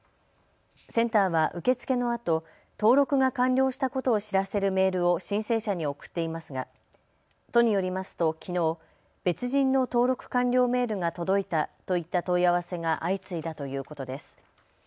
センターは受け付けのあと登録が完了したことを知らせるメールを申請者に送っていますが都によりますときのう別人の登録完了メールが届いたといった問い合わせが相次いだということです。